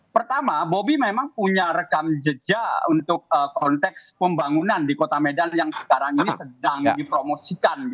pertama bobi memang punya rekam jejak untuk konteks pembangunan di kota medan yang sekarang ini sedang dipromosikan